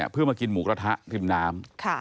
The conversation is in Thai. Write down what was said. เพื่อมากินหมูกระทะริมน้ำ